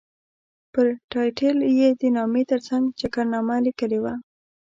پر ټایټل یې د نامې ترڅنګ چکرنامه لیکلې وه.